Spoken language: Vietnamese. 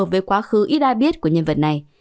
với quá khứ ít ai biết của nhân vật này